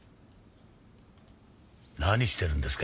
何してるんですか？